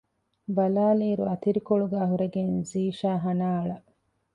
ބަލާލިއިރު އަތިރިކޮޅުގައި ހުރެގެން ޒީޝާ ހަނާ އަޅަ